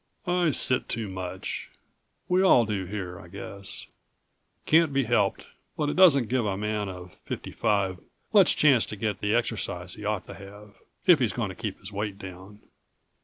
"I sit too much. We all do here, I guess. Can't be helped, but it doesn't give a man of fifty five much chance to get the exercise he ought to have, if he's going to keep his weight down."